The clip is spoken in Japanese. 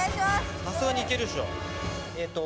さすがにいけるでしょ。